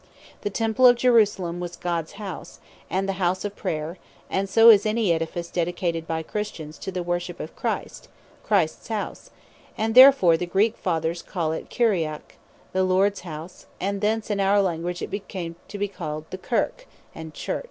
The Temple of Jerusalem was Gods House, and the House of Prayer; and so is any Edifice dedicated by Christians to the worship of Christ, Christs House: and therefore the Greek Fathers call it Kuriake, The Lords House; and thence, in our language it came to be called Kyrke, and Church.